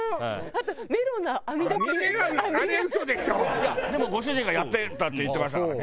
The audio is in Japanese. いやでもご主人がやってたって言ってましたからね。